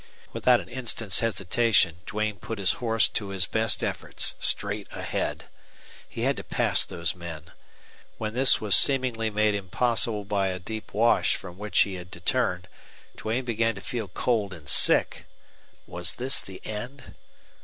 Without an instant's hesitation Duane put his horse to his best efforts, straight ahead. He had to pass those men. When this was seemingly made impossible by a deep wash from which he had to turn, Duane began to feel cold and sick. Was this the end?